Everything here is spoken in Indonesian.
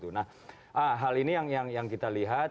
nah hal ini yang kita lihat